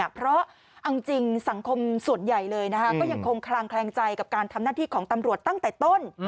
เพราะเอาจริงสังคมส่วนใหญ่เลยก็ยังคงคลางแคลงใจกับการทำหน้าที่ของตำรวจตั้งแต่ต้น